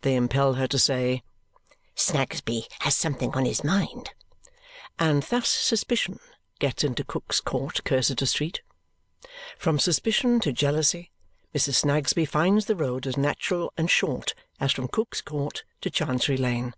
They impel her to say, "Snagsby has something on his mind!" And thus suspicion gets into Cook's Court, Cursitor Street. From suspicion to jealousy, Mrs. Snagsby finds the road as natural and short as from Cook's Court to Chancery Lane.